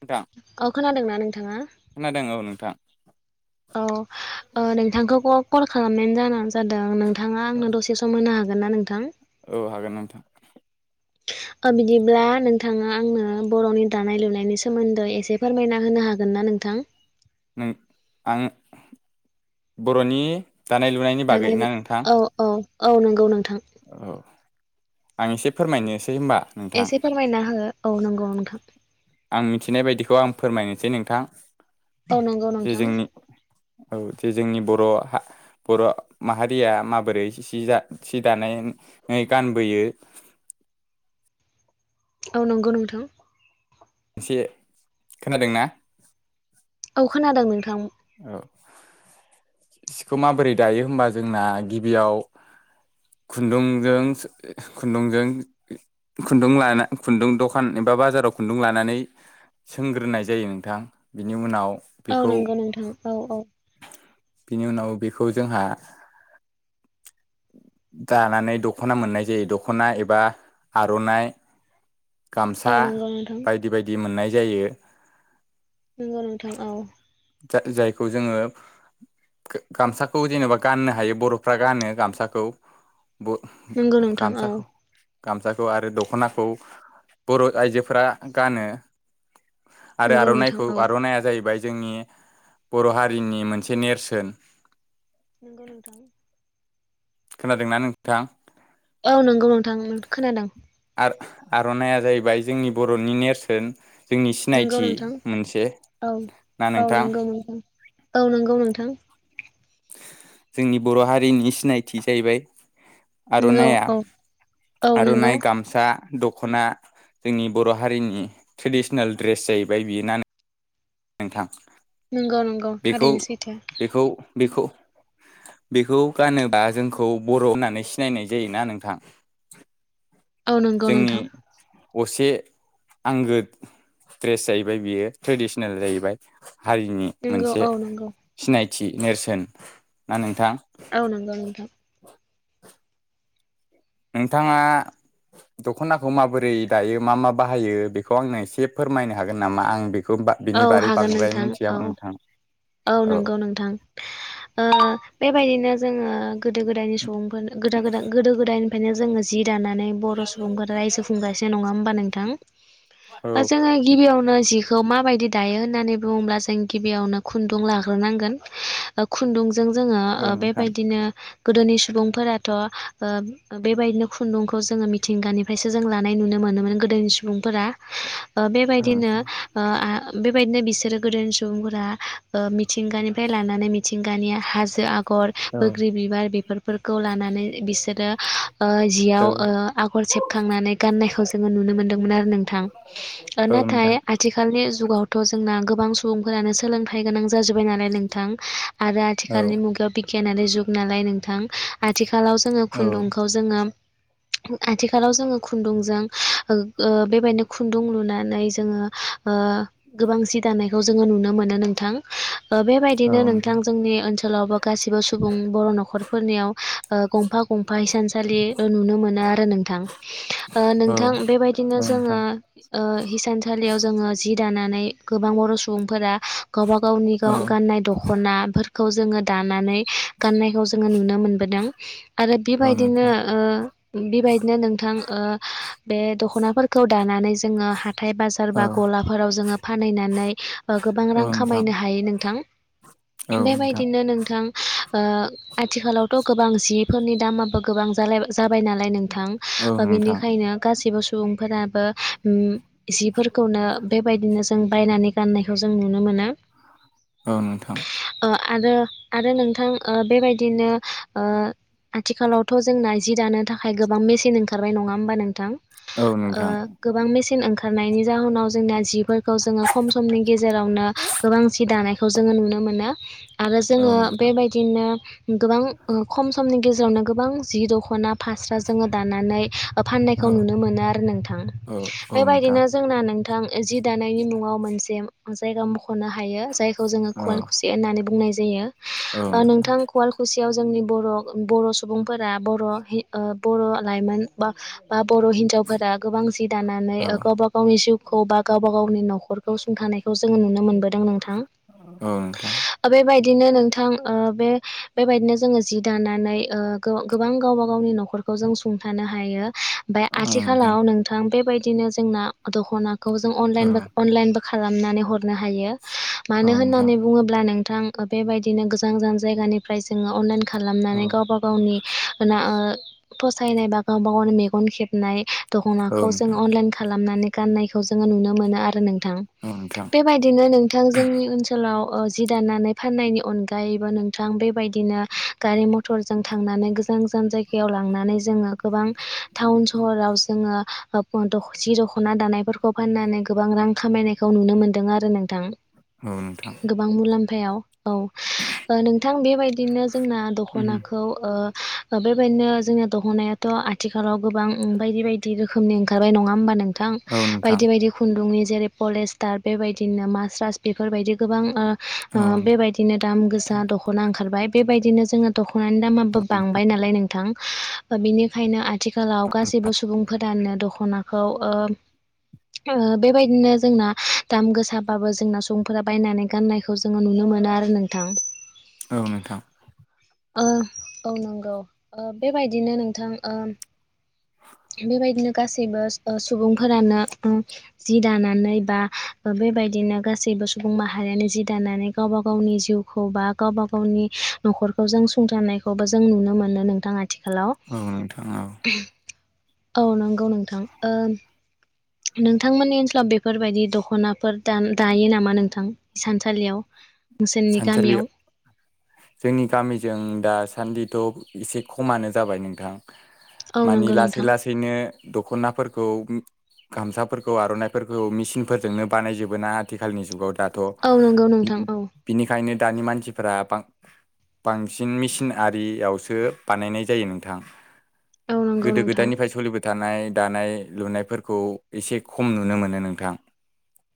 नोंथां ओ खोनादोंना नोंथाङा खोनादों औ नोंथां औ ओ नोंथांखौ क कल खालामनायनि जानानो जादों नोंथाङा आंनो दसे सम होनो हागोन ना नोंथां औ हागोन नोंथां [unintelligible] [inaudible] बिदिब्ला नोंथाङा आंनो बर'नि दानाय लुनायनि सोमोन्दै एसे फोरमायना होनो हागोन ना नों नोंथां नों आं बर'नि दानाय लुनायनि बागै दानाय ना नोंथां औ औ औ नंगौ नोंथां औ आं एसे फोरमायनो एसे फोरमायना हो औ नंगौ नोंथां। आं मिथिनाय बायदिखौ आं फोरमायनोसै नोंथां। औ नंगौ जे नोंथां। जोंनि औ जे जोंनि बर' हा बर' माहारिया माबोरै सि सि दानायनै गानबोयो। [inaudible] औ नंगौ नोंथां। मोनसे खोनादों ना? औ खोनादों नोंथां। औ सिखौ माबोरै दायो होनबा जोंना गिबियाव खुन्दुंजों खुन्दुंजों खुन्दुं लाना खुन्दुं दखान जबा बाजाराव खुन्दुं लानानै सोंग्रोनाय जायो नोंथां बिनि उनाव औ बेखौ नंगौ नोंथां औ औ बिनि उनाव बेखौ जोंहा दानानै दख'ना मोननाय जायो दख'ना एबा आर'नाइ [inaudible] गामसा नंगौ नोंथां बायदि बायदि मोननाय जायो। नंगौ नोंथां औ। जायखौ जोङो गामसाखौ जेनेबा गाननो हायो बर'फ्रा गानो गामसाखौ नंगौ नोंथां औ गामसाखौ। गामसाखौ आरो दखनाखौ बर' आइजोफोरा गानो। आरो नंगौ नोंथां आर'नाइखौ औ आर'नाइआ जाहैबाय जोंनि बर' हारिनि मोनसे नेरसोन। नंगौ नोंथां। खोनादोंना नोंथां? औ नंगौ नोंथां खोनादों। आर आर'नाइया जाहैबाय जोंनि बर'नि नेरसोन जोंनि नंगौ सिनायथि नोंथां मोनसे औ ना औ नोंथां। नंगौ औ नंगौ नोंथां। जोंनि बर' हारिनि सिनायथि जाहैबाय नंगौ आरनाया औ औ नंगौ आरनाय गामसा दख'ना जोंनि बर' हारिनि ट्रेडिसनेल दड्रेस जाहैबाय बियो ना नोंथां नंगौ नंगौ बेखौ थारैनो सैथो बेखौ बेखौ [inaudible] बेखौ गानोबा जोंखौ बर' होननानै सिनायनाय जायोना नोंथां। औ नंगौ जोंनि नोंथां असे आंगो द्रेस जाहैबाय बियो ट्रेडिसनेल जाहैबाय हारिनि नंगौ मोनसे औ नंगौ सिनायथि नेरसोन ना नोंथां। औ नंगौ नोंथां। नोंथाङा। दख'नाखौ माबोरै दायो मा मा बाहायो बेखौ आंनो एसे फोरमायनो हागोन नामा आं बेखौ बा बिनि औ बारै हागोन बांद्राय नोंथां मिथिया औ। नोंथां औ नंगौ नोंथां ओ बेबायदिनो जोङो गोदो गोदायनि सुबुंफोरनो गोद गोद गोदो गोदायनिफ्रायनो जोङो जि जि दानानै बर' सुबुंफोरा रायजो खुंगासिनो नङा होनबा नोंथां ओ औ जोंयो गिबियाव नो जिखौ माबाय दि दायो होननानै बुङोब्ला जों गिबियावनो खुुनदुं लाग्रोनांगोन ओ खुनदुं जों जोङो औ ओ नोंथां बेबायदिनो गोदोनि सुबुंफोराथ' ओ बेबायदिनो खुन्दुंखौ जोङो मिथिंगानिफ्रायसो जों लानाय नुनो मो मोनोमोन गोदोनि सुबुंफोरा ओ औ बेबायदिनो नोंथां ओ आ बेबायदिनो बिसोरो गोदोनि सुबुंफोरा ओ मिथिंगानिफ्राय लानानै मि थिंगानि हाजो आगर औ बोग्रि बिबार बेफोरफोरखौ लानानै बिसोरो ओ जिआव औ ओ आगर सेबखांनानै गाननायखौ जोङो नुनो मोनदोंमोन आरो नोंथां ओ औ नाथाय नोंथां आथिखालनि जुगाव थ' जोंना गोबां सुबुंफोरानो सोलोंथाइ गोनां जाजोब्बाय नालाय नोंथां आरो औ आथिखालनि मुगायाव बि खिया नालाय जुग नालाय नोंथां आथिखालाव जोङो औ खुन्दुंखौ जोङो आथिखालाव जोङो खुन्दुंजों ओ ओ बेबायदिनो खुन्दुं लुनानै जोङो ओ गोबां जि दानायखौ जोङो नुनो मोनो नोंथां ओ बेबायदिनो नोंथां जोंनि ओनसोलावबो गासिबो सुबुं बर' नखरफोरनियाव ओ गंफा गंफा हिसानसालि ओ नुनो मोनो आरो नोंथां ओ औ नोंथां बेबायदिनो औ जोङो नोंथां ओ हिसानसालियाव जोङो जि नानै गोबां बर' सुबुंफोरा गावबा गावनि औ गाव गाननाय दखनाफोर खौ जोङो दानानै गाननायखौ जोङो नुनो मोनबोदों आरो औ बेबायदिनो नोंथां ओ बेबायदिनो नोंथां ओ बे दखनाफोरखौ दाना नै जोंयो हाथाय बाजार औ बा गला फोराव जोङो फानहैनानै ओ गोबां रां खामायनो हायो नोंथां बेबायदिनो नोंथां ओ आथिखालावथ गोबां जिफोरनि दामाबो गोबां जालाय जाबाय नालाय नों थां ओ औ नोंथां बिनिखायनो गासिबो सुबुंफोराबो ओम जिफोरखौनो बिदिनो जों बायनानै गाननायखौ जों नुनो मोनो औ नोंथां ओ आरो आरो नोंथां ओ बेबायदिनो ओ आथिखालावथ जोंना जि दानो थाखाय गोबां मेसिन ओंखारबाय नङा होमबा नोंथां औ ओ नोंथां गोबां मेसिन ओंखारनायनि जाहोनाव जोंना जि फोरखौ जोङो खम समनि गेजेरावनो गोबां सि दानायखौ जोङो नुनो मोनो आरो औ नोंथां औ नोंथां औ जोङो नोंथां बेबायदिनो गोबां ओ खम समनि गेजेरावनो गोबां जि दखना फास्रा जोङो दानानै ओ फाननायखौ औ नुनो मोनो आरो नोंथां औ औ नोंथां बेबायदिनो जोंना नोंथां जि दानायनि मुङाव मोनसे जायगा मखनो हायो जायखौ जोङो औ खुवाल खुसि होननानै बुंनाय जायो जायो औ ओ नोंथां खुवाल खुसि याव जोंनि बर' बर' सुबुंफोरा बर' हि ओ बर' लाइमोन बा बा बर' हिनजावफोरा गोबां जि दानानै ओ गावबा गावनि जिउ खौ बा गावबा गावनि नखरखौ सुंथानायखौ जोङो नुनो मोनबो दों नोंथां नोंथां बेबाय दिनो नोंथां ओ बे बेबायदिनो जोङो जि दानानै ओ गोबां गावबा गावनि नखर खौ जों सुंथानो हायो ओमफाय औ नोंथां आथिखालाव नोंथां बेबायदिनो जोंना दखनाखौ जों औ अनलाइनबो औ अनलाइनबो खालामनानै हरनो हायो मानो नोंथां होननानै बुङोब्ला नों थां बेबायदिनो गोजान गोजान जायगानिफ्राय जोङो अनलाइन औ खालामनानै गावबा गावनि ना ओ फसायनाय बा गावबा गावनि मेगन खेबनाय औ दखनाखौ जों नोंथां अनलाइन खालामनानै गाननायखो खौ जोंङो नुनो मोनो आरो नोंथां औ नोंथां बेबायदिनो नोंथां जोंनि ओनसोलाव ओ जि दानानै फाननायनि अनगायैबो नोंथां बेबायदिनो गारि मथरजों थांनानै गोजा गोजान जायगायाव लांनानै जोंङो गोबां टाउन सहराव जोंङो ओ जि दखन दखना दानायफोरखौ फाननानै गोबां रां खामायनायखौ नुनो मोनदों आरो नोंथां औ नोंथां मुलामफायाव औ नोंथां बेबायदिनो जोंना उम दखनाखौ ओ बेबायदिनो जोंनिया दखनायाथ आथिखालाव गोबां बायदि बायदि रोखोमनि ओंखारबाय नङा होमबा नोंथां औ नोंथां बायदि बायदि खुन्दुंनि जेरै पलेस्टार बेबायदिनो मास्राइस बेफोरबायदि गोबां। औ बेबायदिनो दाम गोसा दखना ओंखारबाय बेबायदिनो जोंङो दखना। दखनानि दामाबो बांबाय नालाय नोंथां। बिनिखायनो आथिखालाव गासैबो सुबुंफोरानो दखनाखौ। बेबायदिनो जोंना दाम गोसाबाबो जोंना सुबुंफोरा बायनानै गाननायखौ जोंङो नुनो मोनो। मोनो आरो नोंथां। औ नोंथां। औ नंगौ बेबायदिनो नोंथां। बेबायदिनो गासैबो सुबुंफोरानो। जि दानानै बा बेबायदिनो गासैबो सुबुं माहारियानो जि दानानै गावबा गाव। गावनि जिउखौ बा गावबा गावनि नखरखौ जों सुंथारनायखौबो जों नुनो मोनो नोंथां। आथिखालाव औ नोंथां औ। औ नंगौ नोंथां। नोंथांमोननि ओनसोलाव बेफोरबायदि दखनाफोर दायो नामा नोंथां इसानसालियाव। नोंसोरनि इसानसालि गामियाव जोंनि गामिजों दा सान्दि। थ एसे खमानो जाबाय नोंथां। औ मानि नंगौ लासै नोंथां लासैनो दखनाफोरखौ। गामसाफोरखौ आरनाइफोरखौ मेसिनफोरजोंनो बानायजोबो ना आथिखालनि जुगाव। दाथ' औ नंगौ नोंथां औ। बिनिखायनो दानि मानसिफोरा बां। बांसिन मेसिन आरियावसो बानायनाय जायो नोंथां। औ नंगौ गोदो नोंथां गोदायनिफ्राय सोलिबाय थानाय दानाय। लुनायफोरखौ एसे खम नुनो मोनो नोंथां।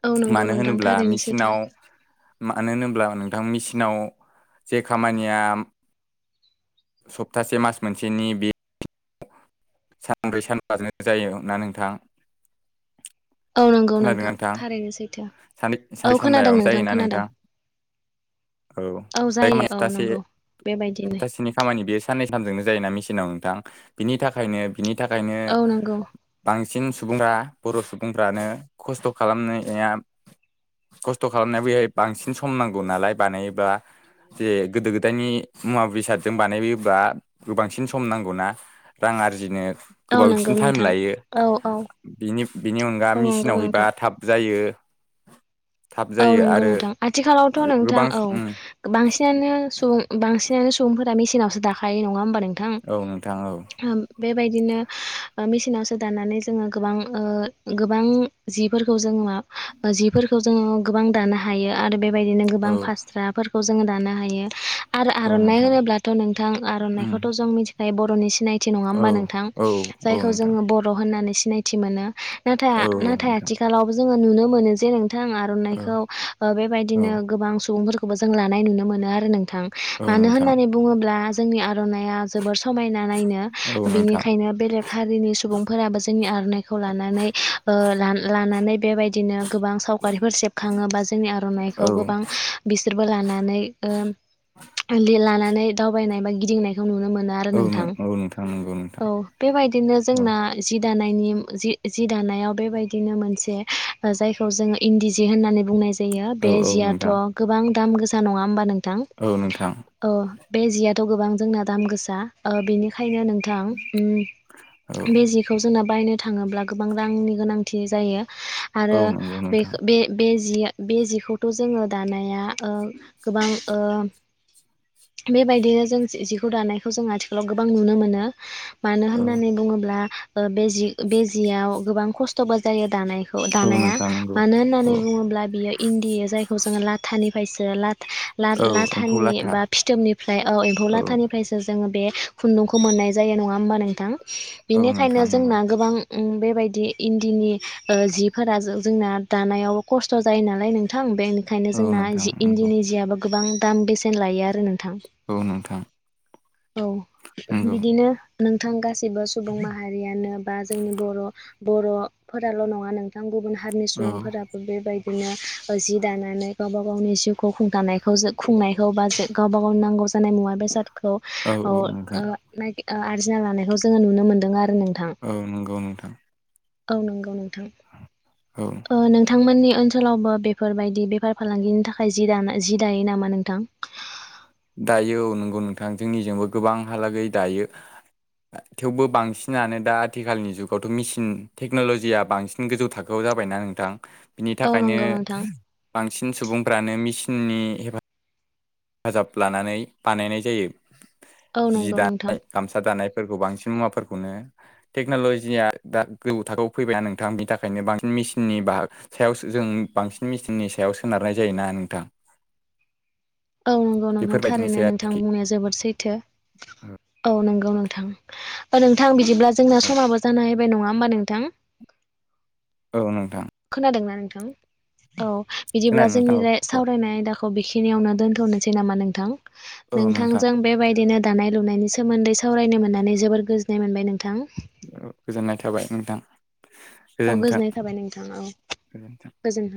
औ नंगौ मानो नोंथां होनोब्ला थारैनो सैथो मेसिनाव। मानो होनोब्ला नोंथां मेसिनाव जे खामानिया। सप्तासे मास मोनसेनि बे। सानब्रै सानबाजों जायोना नोंथां। [inaudible] औ नंगौ नोंथां थारैनो सैथो सानै औ सानब्रै खोनादों सानबायावनो नोंथां जायोना खोनादों। औ जाय जायो खामानिया औ सप्तासे नंगौ। बेबायदिनो सप्तासेनि खामानि बेयो साननै सानजोंनो जायोना मिसिन-। नाव नोंथां बिनि थाखायनो बिनि थाखायनो औ नंगौ बांसिन। बांसिन सुबुंफ्रा बर सुबुंफ्रानो खस्थ खालामनाया। खस्थ खालामनायाव बेहाय बांसिन सम नांगौ नालाय बानायोबा। जे गोदो गोदायनि मुवा बेसादजों बानायब्ला गोबांसिन सम नांगौना। रां आरजिनो औ गोबावसिन नंगौ टाइम नोंथां लायो। औ औ बिनि-बिनि अनगा औ नंगौ मेसिनाव हैबा नोंथां थाब जायो। थाब औ जायो नंगौ आरो नोंथां आथिखालावथ नोंथां गोबां उम औ बांसिनानो सुबुं बांसिनानो। सुबुंफोरा मेसिनावसो दाखायो नंङा होमबा नोंथां औ नोंथां औ बेबायदिनो। मेसिनावसो दानानै जोंङो गोबां-गोबां जिफोरखौ जोंङो उम जिफोरखौ। जोंङो गोबां दानो हायो आरो बेबायदिनो औ गोबां फास्राफोरखौ जोंङो दानो हायो। आरो औ आरनाइ नोंथां होनोब्लाथ नोंथां आरनाइखौथ उम जों मिथिखायो बरनि सिनायथि। सिथि नङा होमबा औ नोंथां औ औ जायखौ नोंथां जोङो बर होननानै सिनायथि मोनो नाथाय औ औ नाथाय नोंथां आथिखालावबो जोंङो नुनो मोनो जे नोंथां आरो औ औ बेबायदिनो गोबां सुबुंफोरखौबो जों लानाय नुनो मोनो आरो नों औ मानो नोंथां होननानै बुंङोब्ला जोंनि आरो आरनाइया जोबोर समायना नायनो औ नोंथां औ बिनिखायनो बेलेग हारिनि सुबुंफोराबो जोंनि आर'नाइखौ लानानै ओ लानानै बेबायदिनो गोबां सावगारि बा जोंनि आरनाइखौ गोबां बिसोरबो लानानै लानानै दावबायनाय बा गिदिंनायखौ नुनो मोनो आरो औ नोंथां नंगौ औ नोंथां बेबादिनो औ जोंना जि जि दानायनि जि दानायाव बेबायदिनो मोनसे जायखौ जोङो इन्दि जि होननानै बुंनाय जायो बे औ औ जियाथ' नोंथां गोबां दाम गोसा नङा होमबा नों थां औ नोंथां ओ बे जियाथ' गोबां जोंना दाम गोसा ओ बेनिखा खायनो नोंथां औ उम बे जिखौ जोंना बायनो थाङोब्ला गोबां रांनि गोनांथि जायो आरो औ नंगौ बे नोंथां बे बे जिया बे जिखौथ' जोङो दानाया ओ गोबां ओ बेबायदिनो जों जिखौ दानायखौ जों आथिखालाव गोबां नुनो मोनो मानो औ होननानै बुङोब्ला ओ बे जि बेजियाव गोबां खस्थ'बो जायो दानायखौ औ दानाया नोंथां नंगौ मानो होननानै औ बुङोब्ला बियो इन्दि जायखौ जों लाथा निफ्राय लाथा औ एम्फौ लाथानि लाथा बा फिथोबनिफ्राय औ एम्फौ लाथानिफ्रायसो जोङो बे खुन्दुंखौ मोननाय जायो नङा होमबा नोंथां औ बेनिखायनो नोंथां नंगौ जोंना गोबां बेबायदि इन्दिनि ओ जिफोरा जोंना दानायावबो खस्थ' जायो नालाय नोंथां बेनिखायनो औ जोंना नोंथां जि नंगौ इन्दिनि जियाबो गोबां दाम बेसेन लायो आरो नोंथां औ नोंथां औ नंगौ बिदिनो नोंथां गासिबो सुबुं माहारियानो बा जोंनि बर' बर'फोराल' नङा नोंथां गुबुन हारिनि औ सुबुंफोराबो बेबायदिनो ओ जि दानानै गावबा गावनि जिउखौ खुंथानायखौ ज खुंनायखौ बा ज गावबा गाव नांगौ जानाय मुवा बेसाद खौ औ ओ नाय ओ आरजिना लानायखौ जोङो नुनो मोनो ओं नंगौ नोंथां औ नंगौ नोंथां औ ओ नोंथांमोननि ओनसोलावबो बेफोरबायदि बेफार फालांगिनि थाखाय जि दानाय जि दायो नामा नोंथां? दायो औ नंगौ नोंथां जोंनिजोंबो गोबांहालागै दायो थेवबो बांसिनानो दा आथिखालनि जुगावथ' मेसिन टेक्न'लजिया बांसिन गोजौ थाखोआव जाबायना नोंथां बिनि औ थाखायनो नंगौ नोंथां बांसिन सुबुंफ्रानो मिसिननि हेफा जाब लानानै बानायनाय जायो औ जि नंगौ नोंथां दानाय गामसा दानाय फोरखौ बांसिन मुवाफोरखौनो टेक्न'ल'जिया दा गोजौ थाखोआव फैबाय नोंथां बिनि थाखायनो बांसिन मेचननि बा सायाव जों बांसिन मेचननि सायाव सोनारनाय जायोना नोंथां [inaudible] औ नंगौ नोंथां थारैनो बेफोरबायदिनोसै नोंथां आरोखि बुंनाया जोबोद सैथो औ नंगौ औ नोंथां नोंथां बिदिब्ला जोंना औ समाबो जाना फैबाय नङा होमबा नोंथां औ नोंथां खोनादोंना नोंथां औ बिदिब्ला खोनादों नोंथां जोंनि औ औ सावरायनाय आयदाखौ खौ बेखिनियावनो दोनथ'नोसै नामा नोंथां औ नोंथां नोंथांजों बेबायदिनो दानाय लुनायनि सोमोन्दै सावरायनो मोननानै जोबोर गोजोननाय मोनबाय नोंथां गोजोननाय थाबाय नोंथां औ गोजोनथों गोजोननाय थाबाय नोंथां औ गोजोनथों गोजोन्थों